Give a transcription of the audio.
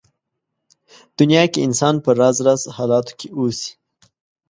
دنيا کې انسان په راز راز حالاتو کې اوسي.